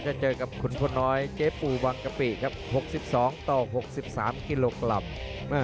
จะเจอกับคุณผู้น้อยเจฟูวังกะปิ๖๒๖๓กิโลกรัม